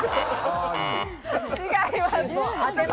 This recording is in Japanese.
違います。